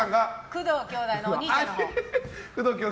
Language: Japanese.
工藤兄弟のお兄ちゃんのほう。